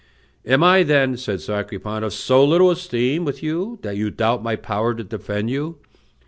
"Am I, then," said Sacripant, "of so little esteem with you that you doubt my power to defend you?